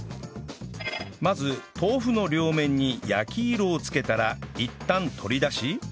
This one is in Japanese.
まず豆腐の両面に焼き色をつけたらいったん取り出し